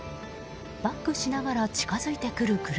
バックしながら近づいてくる車。